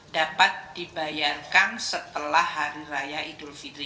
dapat dibayarkan setelah hari raya idul fitri